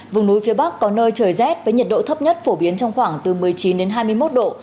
vùng núi phía bắc có nơi trời rét với nhiệt độ thấp nhất phổ biến trong khoảng từ một mươi chín đến hai mươi một độ